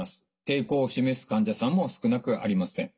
抵抗を示す患者さんも少なくありません。